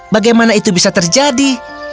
bagaimana itu bisa terjadi